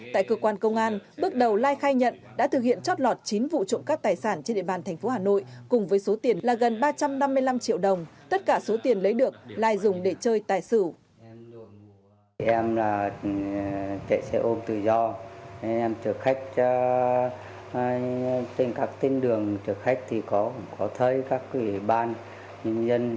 tại cơ quan công an bước đầu lai khai nhận đã thực hiện chót lọt chín vụ trộm cắp tài sản trên địa bàn thành phố hà nội cùng với số tiền là gần ba trăm năm mươi năm triệu đồng tất cả số tiền lấy được lai dùng để chơi tài sự